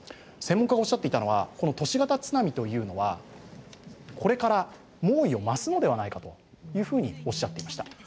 専門家がおっしゃっていたのはこの都市型津波というのはこれから猛威を増すのではないかというふうにおっしゃっていました。